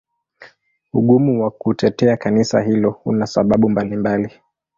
Ugumu wa kutetea Kanisa hilo una sababu mbalimbali.